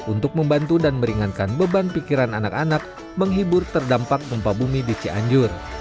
untuk membantu dan meringankan beban pikiran anak anak menghibur terdampak gempa bumi di cianjur